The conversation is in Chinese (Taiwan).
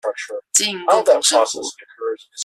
經營共同生活